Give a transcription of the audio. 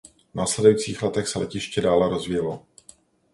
V následujících letech se letiště dále rozvíjelo.